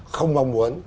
không mong muốn